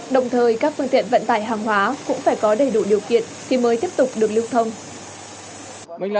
đồng thời các phương tiện vận tải hàng hóa cũng phải có đầy đủ điều kiện thì mới tiếp tục được lưu thông